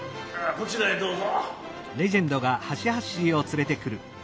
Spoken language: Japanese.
こちらへどうぞ。